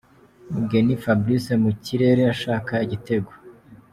Mugheni Fabrice mu kirere ashaka igitego.